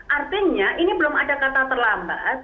artinya ini belum ada kata terlambat